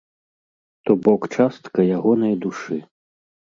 То бок частка ягонай душы.